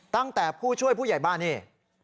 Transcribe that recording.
ตั้งแต่ผู้ช่วยผู้ใหญ่บ้านนี่